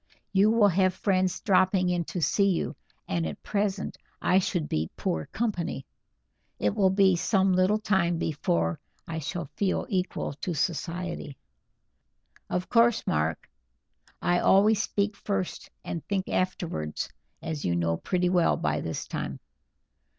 You will have friends dropping in to see you, and at present I should be poor company. It will be some little time before I shall feel equal to society." "Of course, Mark. I always speak first and think afterwards, as you know pretty well by this time.